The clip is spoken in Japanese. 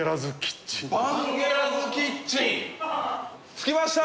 着きました！